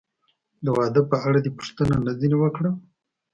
د واده په اړه دې پوښتنه نه ځنې وکړه؟